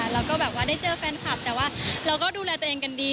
เราก็แบบว่าได้เจอแฟนคลับแต่ว่าเราก็ดูแลตัวเองกันดี